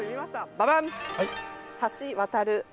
ババン！